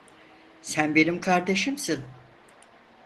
Sen benim kardeşimsin.